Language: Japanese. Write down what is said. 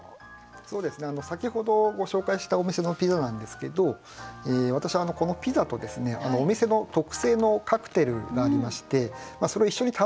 先ほどご紹介したお店のピザなんですけど私このピザとお店の特製のカクテルがありましてそれを一緒に頼むのが私の定番です。